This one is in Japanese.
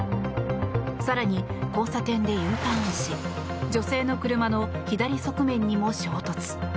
更に交差点でＵターンし女性の車の左側面にも衝突。